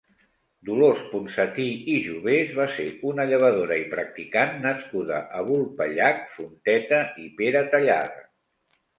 Dolors Ponsatí i Jovés va ser una llevadora i practicant nascuda a Vulpellac, Fonteta i Peratallada.